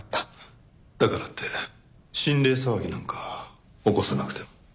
だからって心霊騒ぎなんか起こさなくても。